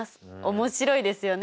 面白いですよね。